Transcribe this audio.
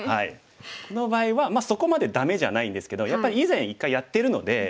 この場合はまあそこまでダメじゃないんですけどやっぱり以前１回やってるのでちょっとね